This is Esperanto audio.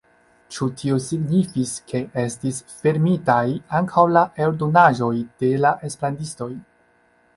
Ĉu tio signifis, ke estis fermitaj ankaŭ la eldonaĵoj de la esperantistoj?